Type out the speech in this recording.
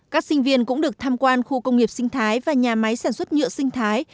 các sinh viên cũng được tham quan khu công nghiệp sinh thái và nhà máy sản xuất nhựa sinh thái